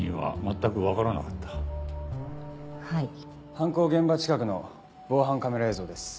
犯行現場近くの防犯カメラ映像です。